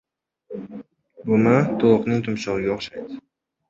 Bumi tovuqning tumshug‘iga o‘xshaydi.